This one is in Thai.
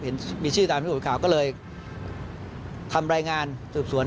เห็นมีชื่อตามที่ปรากฏข่าวก็เลยทำรายงานสืบสวน